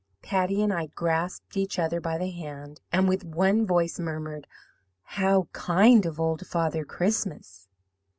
"Patty and I grasped each other by the hand, and with one voice murmured; 'How kind of Old Father Christmas!'